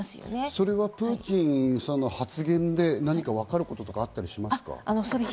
それはプーチンさんの発言でわかることはあったりしますか？